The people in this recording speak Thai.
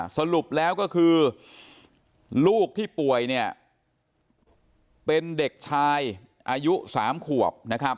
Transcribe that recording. สรุปแล้วก็คือลูกที่ป่วยเป็นเด็กชายอายุ๓ขวบ